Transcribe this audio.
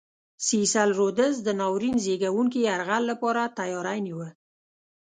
سیسل رودز د ناورین زېږوونکي یرغل لپاره تیاری نیوه.